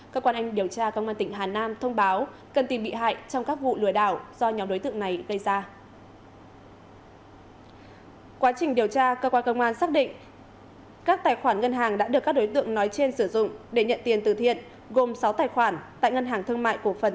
cơ quan anh điều tra công an tỉnh hà nam thông báo cần tìm bị hại trong các vụ lừa đảo do nhóm đối tượng này gây ra